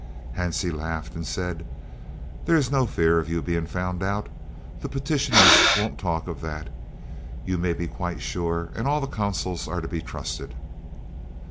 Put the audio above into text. '" Hansie laughed and said, "There is no fear of your being found out. The petitioners won't talk of that, you may be quite sure, and all the Consuls are to be trusted."